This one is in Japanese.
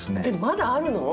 まだあるの？